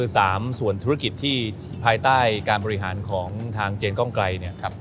สามส่วนธุรกิจที่ภายใต้การบริหารของทางเจนกล้องไกรเนี่ย